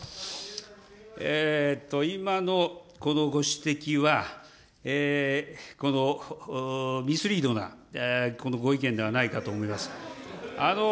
今のこのご指摘は、このミスリードなご意見ではないかと思います。